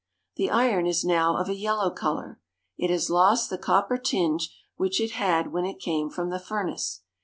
The iron is now of a yellow color. It has lost the cop per tinge which it had when it came from the furnace.